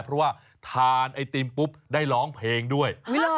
เพราะว่าทานไอติมปุ๊บได้ร้องเพลงด้วย